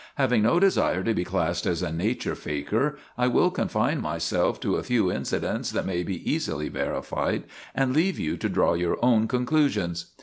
Having no desire to be classed as a nature faker I will confine myself to a few incidents that may be easily verified, and leave you to draw your own conclusions.